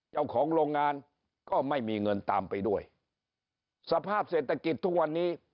เจ้าของโรงงานก็ไม่มีเงินตามไปด้วยสภาพเศรษฐกิจทุกวันนี้